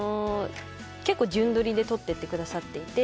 結構順撮りで撮っていってくださっていて。